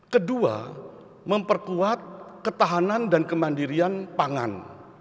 kedua memperkuat ketahanan dan kemandirian pangan